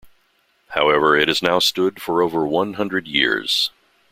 However, it has now stood for over one hundred years.